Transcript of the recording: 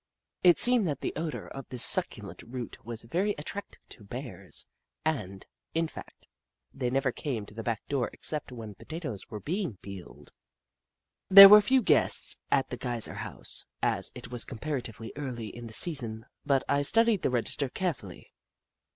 It seemed that the odour of this succulent root was very attractive to Bears, and, in fact, they never came to the back door except when potatoes were being peeled. There were few guests at the Geyser House, as it was comparatively early in the season, but I studied the register carefully.